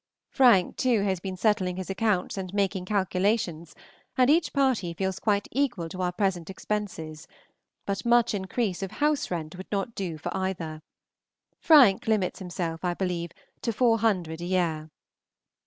Frank too has been settling his accounts and making calculations, and each party feels quite equal to our present expenses; but much increase of house rent would not do for either. Frank limits himself, I believe, to four hundred a year.